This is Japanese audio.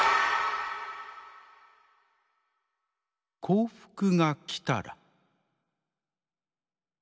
「『幸福』がきたら」。